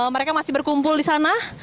mereka masih berkumpul di sana